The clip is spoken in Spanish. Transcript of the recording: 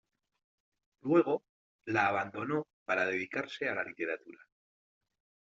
Luego, la abandonó para dedicarse a la literatura.